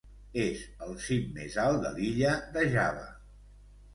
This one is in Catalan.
És el cim més alt de l'illa de Java.